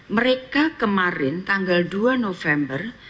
mereka kemarin tanggal dua november